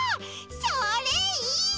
それいい！